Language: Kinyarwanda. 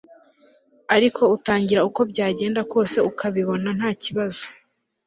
ariko utangira uko byagenda kose ukabibona ntakibazo